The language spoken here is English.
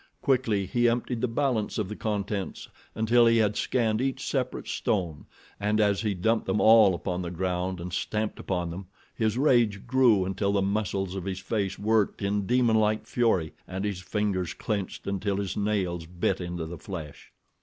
Quickly he emptied the balance of the contents until he had scanned each separate stone, and as he dumped them all upon the ground and stamped upon them his rage grew until the muscles of his face worked in demon like fury, and his fingers clenched until his nails bit into the flesh.